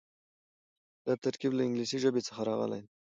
دا ترکيب له انګليسي ژبې څخه راغلی دی.